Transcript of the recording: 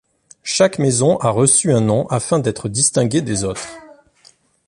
Chaque maison a reçu un nom afin d'être distinguée des autres.